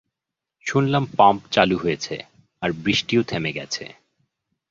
শুনলাম পাম্প চালু হয়েছে আর বৃষ্টিও থেমে গেছে।